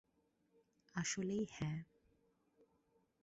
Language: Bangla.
আসলেই, হ্যাঁ।